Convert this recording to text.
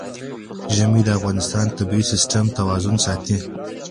ژمی د افغانستان د طبعي سیسټم توازن ساتي.